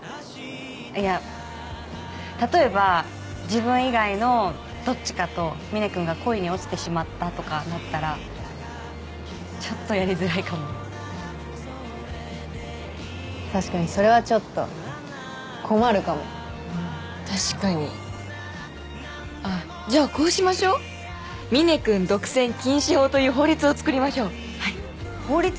いや例えば自分以外のどっちかとみね君が恋に落ちてしまったとかなったらちょっとやりづらいかも確かにそれはちょっと困るかもうん確かにあっじゃあこうしましょうみね君独占禁止法という法律を作りましょうはい法律？